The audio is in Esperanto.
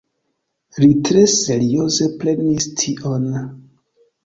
Li tre serioze prenis tion.